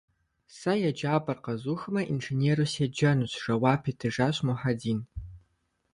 Сэ еджапӏэр къэзухмэ, инженеру седжэнущ, - жэуап итыжащ Мухьэдин.